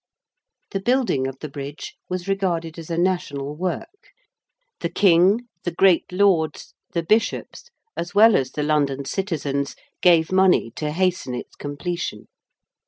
The building of the Bridge was regarded as a national work: the King: the great Lords: the Bishops: as well as the London Citizens, gave money to hasten its completion.